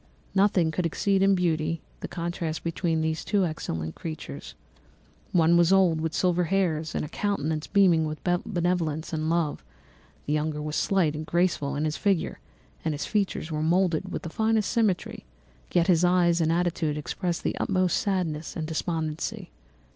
Nothing could exceed in beauty the contrast between these two excellent creatures. One was old, with silver hairs and a countenance beaming with benevolence and love; the younger was slight and graceful in his figure, and his features were moulded with the finest symmetry, yet his eyes and attitude expressed the utmost sadness and despondency.